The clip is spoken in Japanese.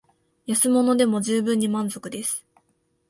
安物でも充分に満足です